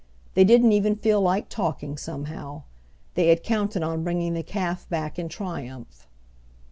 They didn't even feel like talking, somehow. They had counted on bringing the calf back in triumph.